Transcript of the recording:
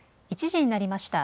１時になりました。